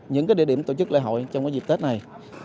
những địa điểm tổ chức lễ hội trong dịp tết này